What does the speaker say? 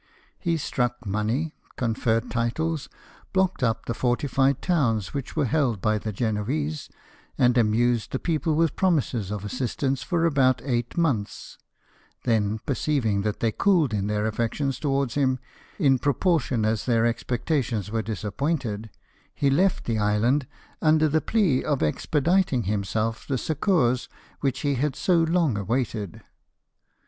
He struck money, conferred titles, blocked up the fortified towns which were held by the Genoese, and amused the people with promises of assistance for about eight months ; then, perceiving that they cooled in then affections towards him, in proportion as their expectations were disappointed, he left the island, under the plea of expediting himself the succours which he had so long awaited.